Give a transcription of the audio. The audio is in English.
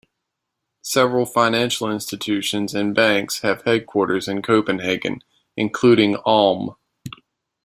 Several financial institutions and banks have headquarters in Copenhagen, including Alm.